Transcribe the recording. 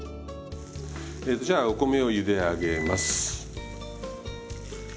えとじゃあお米をゆで上げます。